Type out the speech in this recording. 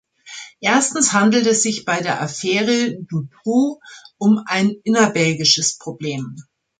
Erstens handelt es sich bei der "Affäre Dutroux" um ein innerbelgisches Problem.